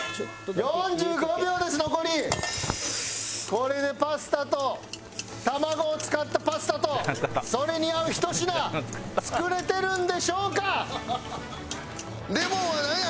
これでパスタと卵を使ったパスタとそれに合うひと品作れてるんでしょうか？